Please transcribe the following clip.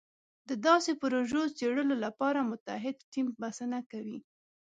د داسې پروژو څېړلو لپاره متعهد ټیم بسنه کوي.